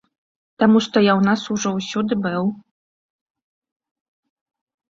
Таму што я ў нас ужо ўсюды быў.